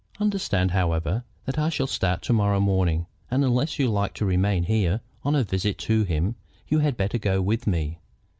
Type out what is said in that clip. Understand, however, that I shall start to morrow morning, and unless you like to remain here on a visit to him, you had better go with me."